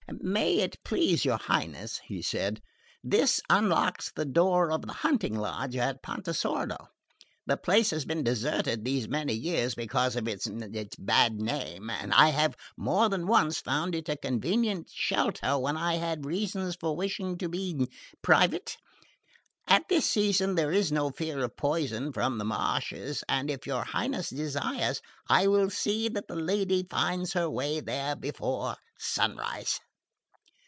"May it please your Highness," he said, "this unlocks the door of the hunting lodge at Pontesordo. The place has been deserted these many years, because of its bad name, and I have more than once found it a convenient shelter when I had reasons for wishing to be private. At this season there is no fear of poison from the marshes, and if your Highness desires I will see that the lady finds her way there before sunrise."